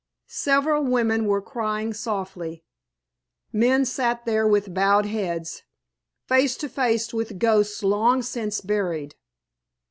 Several women were crying softly; men sat there with bowed heads, face to face with ghosts long since buried.